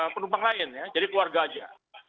penumpang lain ya jadi keluarga aja